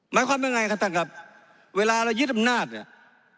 ความยังไงครับท่านครับเวลาเรายึดอำนาจเนี่ย